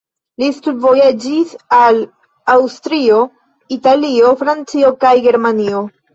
Li studvojaĝis al Aŭstrio, Italio, Francio kaj Germanio.